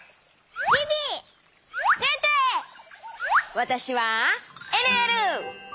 わたしはえるえる！